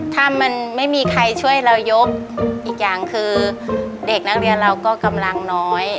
ถ้ามันไม่มีใครช่วยเรายกอีกอย่างคือเด็กนักเรียนเราก็กำลังน้อย